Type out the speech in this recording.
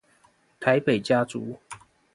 台北家族